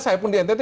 saya pun di ntt